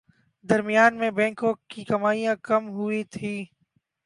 درمیان میں بینکوں کی کمائیاں کم ہوئیں تھیں